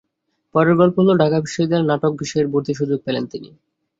পরের গল্প হলো, ঢাকা বিশ্ববিদ্যালয়ে নাটক বিষয়ে ভর্তির সুযোগ পেলেন তিনি।